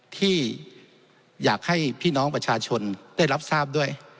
ที่อยากให้พี่น้องประชาชนได้รับทราบด้วย